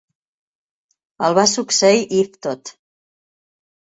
El va succeir Yvetot.